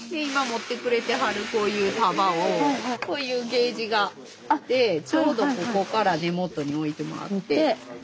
今持ってくれてはるこういう束をこういうゲージがあってちょうどここから根元に置いてもらって。